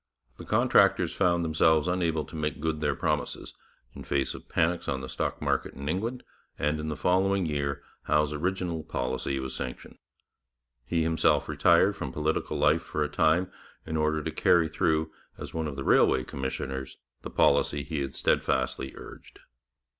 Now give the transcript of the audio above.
The contractors found themselves unable to make good their promises, in face of panics on the stock market in England, and in the following year Howe's original policy was sanctioned. He himself retired from political life for a time in order to carry through, as one of the railway commissioners, the policy he had steadfastly urged.